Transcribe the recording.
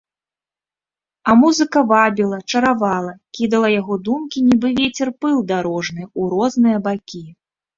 А музыка вабіла, чаравала, кідала яго думкі, нібы вецер пыл дарожны, у розныя бакі.